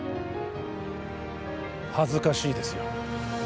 恥ずかしいですよ